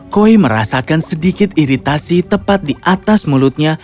koi merasakan sedikit iritasi tepat di atas mulutnya